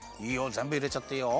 ぜんぶいれちゃっていいよ。